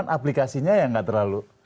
cuma aplikasinya yang gak terlalu